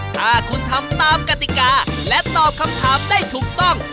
ถ้าคุณทำตามกติกาและตอบคำถามได้ถูกต้อง